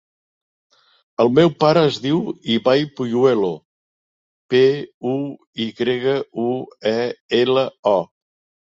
El meu pare es diu Ibai Puyuelo: pe, u, i grega, u, e, ela, o.